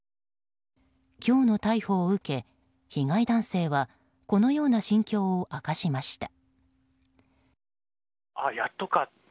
今日の逮捕を受け被害男性はこのような心境を明かしました。